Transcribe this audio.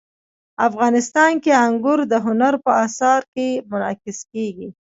افغانستان کې انګور د هنر په اثار کې منعکس کېږي.